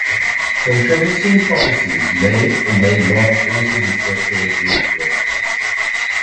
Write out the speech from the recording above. Contributing properties may or may not also be separately listed.